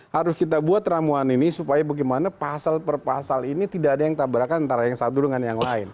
harus kita buat ramuan ini supaya bagaimana pasal per pasal ini tidak ada yang tabrakan antara yang satu dengan yang lain